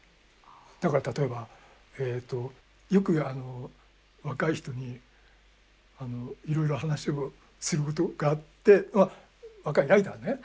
だから例えばよく若い人にいろいろ話をすることがあって若いライターね。